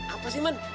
apa sih man